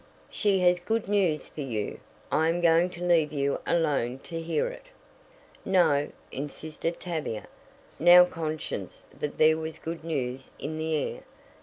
"She has good news for you. I am going to leave you alone to hear it." "No," insisted Tavia, now conscious that there was good news in the air.